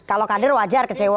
kalau kader wajar kecewa